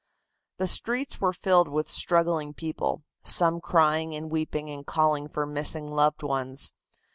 The streets were filled with struggling people, some crying and weeping and calling for missing loved ones.